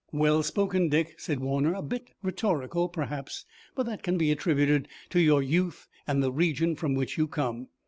"Well spoken, Dick," said Warner. "A bit rhetorical, perhaps, but that can be attributed to your youth and the region from which you come."